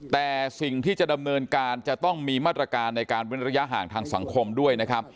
แต่สิ่งที่จะดำเนินการจะต้องมีมาตรการในการเว้นระยะห่างทางสังคมด้วยนะครับ